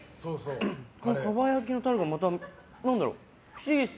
かば焼きのタレがまた、何だろう不思議です。